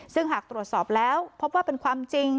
ซึ่งหากตรวจสอบแล้วพบว่าเป็นความจริง